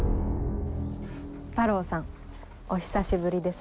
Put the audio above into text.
太郎さんお久しぶりです。